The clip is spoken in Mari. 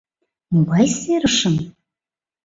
— Могай серышым?